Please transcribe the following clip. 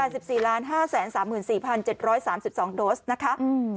สิบสี่ล้านห้าแสนสามหมื่นสี่พันเจ็ดร้อยสามสิบสองโดสนะคะอืม